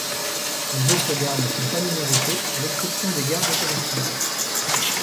Les autres gares ne sont pas numérotées à l'exception des gares de correspondances.